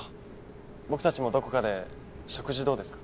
僕たちもどこかで食事どうですか？